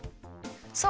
そう。